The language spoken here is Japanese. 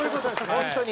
本当に。